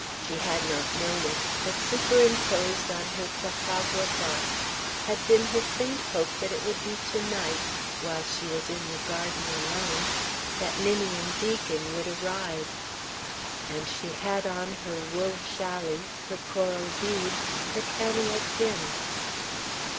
She had not known it, but superimposed on her Chautauqua thoughts had been her faint hope that it would be to night, while she was in the garden alone, that Ninian Deacon would arrive. And she had on her wool chally, her coral beads, her cameo pin....